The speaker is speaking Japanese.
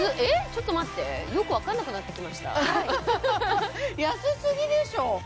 ちょっと待ってよく分かんなくなってきました安すぎでしょ